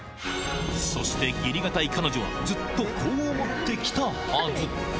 そして義理堅い彼女は、ずっと、こう思ってきたはず。